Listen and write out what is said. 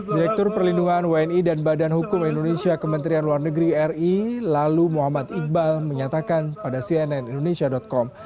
direktur perlindungan wni dan badan hukum indonesia kementerian luar negeri ri lalu muhammad iqbal menyatakan pada cnn indonesia com